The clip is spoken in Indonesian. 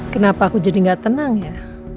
kenapa aku jadi gak tenang ya